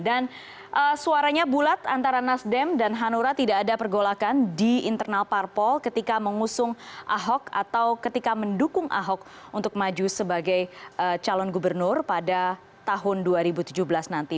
dan suaranya bulat antara nasdem dan hanura tidak ada pergolakan di internal parpol ketika mengusung ahok atau ketika mendukung ahok untuk maju sebagai calon gubernur pada tahun dua ribu tujuh belas nanti